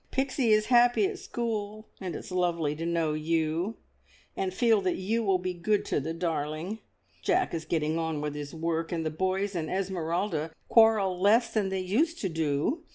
Pixie is happy at school, and it's lovely to know you, and feel that you will be good to the darling; Jack is getting on with his work, and the boys and Esmeralda quarrel less than they used to do.